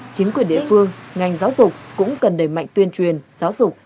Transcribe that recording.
chính quyền địa phương ngành giáo dục cũng cần đẩy mạnh tuyên truyền giáo dục